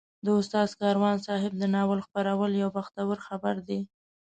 د استاد کاروان صاحب د ناول خپرېدل یو بختور خبر دی.